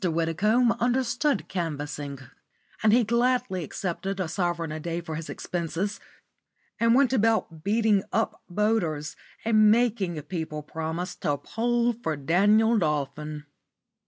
Widdicombe understood canvassing, and he gladly accepted a sovereign a day for his expenses, and went about beating up voters and making people promise to poll for Daniel Dolphin.